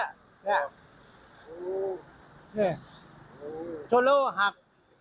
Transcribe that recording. ชนแล้วหัก